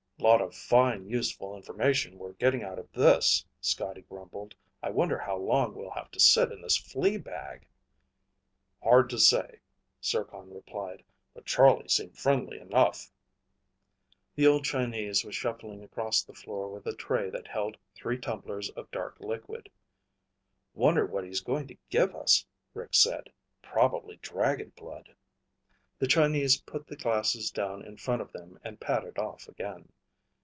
"Lot of fine, useful information we're getting out of this," Scotty grumbled. "I wonder how long we'll have to sit in this flea bag?" "Hard to say," Zircon replied. "But Charlie seemed friendly enough." The old Chinese was shuffling across the floor with a tray that held three tumblers of dark liquid. "Wonder what he's going to give us?" Rick said. "Probably dragon blood." The Chinese put the glasses down in front of them and padded off again.